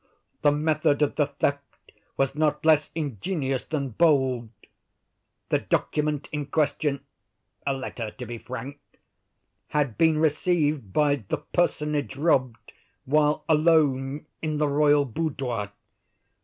The method of the theft was not less ingenious than bold. The document in question—a letter, to be frank—had been received by the personage robbed while alone in the royal boudoir.